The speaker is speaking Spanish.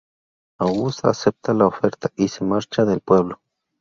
August acepta la oferta y se marcha del pueblo.